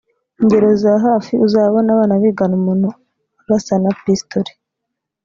Ingero za hafi uzabona abana bigana umuntu urasa na pisitori